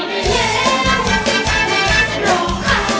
ร้อง